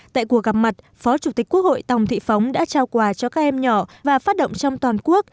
tại cuộc gặp mặt phó chủ tịch quốc hội tòng thị phóng đã trao quà cho các em nhỏ và phát động trong toàn quốc